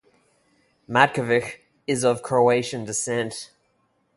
Matkevich is of Croatian descent.